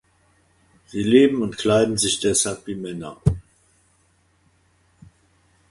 Sie leben und kleiden sich deshalb wie Männer.